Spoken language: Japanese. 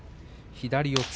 左四つ。